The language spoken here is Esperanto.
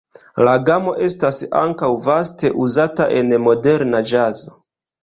La gamo estas ankaŭ vaste uzata en moderna ĵazo.